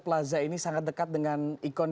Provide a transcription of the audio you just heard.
plaza ini sangat dekat dengan ikon